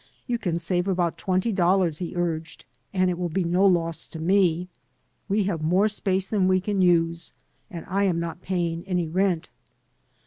"You can save about twenty dollars," he urged, "and it will be no loss to me. We have more space than we can use, and I am not paying any rent."